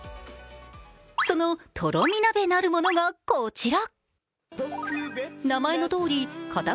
その、とろみ鍋なるものがこちら。